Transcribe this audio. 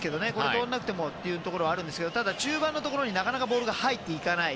通らなくてもというところはありますがただ、中盤のところになかなかボールが入らない。